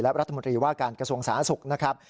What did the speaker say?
และรัฐมนตรีว่าการกระทรวงสาธารณสุขนะครับ